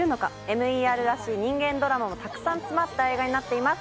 ＭＥＲらしい人間ドラマもたくさん詰まった映画になっています